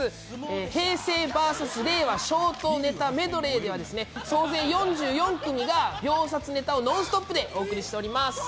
平成ｖｓ令和ショートネタメドレーでは、総勢４４組が秒殺ネタをノンストップでお送りしております。